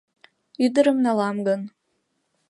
Ӱдырым налам гын.